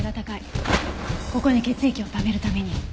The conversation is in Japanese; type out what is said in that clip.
ここに血液をためるために。